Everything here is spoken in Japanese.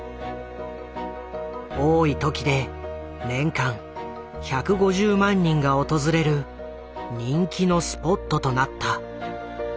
多い時で年間１５０万人が訪れる人気のスポットとなった。